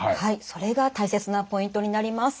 それが大切なポイントになります。